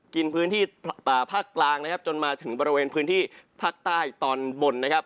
กินพื้นที่ภาคกลางนะครับจนมาถึงบริเวณพื้นที่ภาคใต้ตอนบนนะครับ